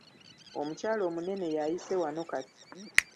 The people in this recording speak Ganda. Omukyala omunene yaayise wano kati.